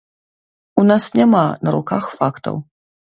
У нас няма на руках фактаў.